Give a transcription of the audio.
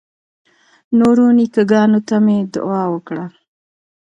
نورو نیکه ګانو ته مې دعا وکړه.